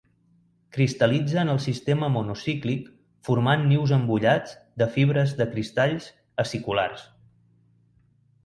Cristal·litza en el sistema monoclínic formant nius embullats de fibres de cristalls aciculars.